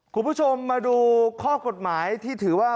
คุณผู้ชมมาดูข้อกฎหมายที่ถือว่า